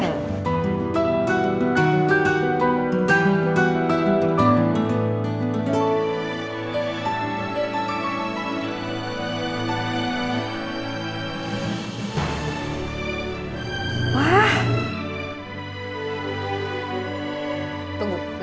nanda ya kurang webnya